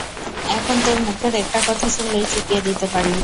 এখন, তোর মুখের একটা কথা শুনলেই চুকিয়ে দিতে পারি।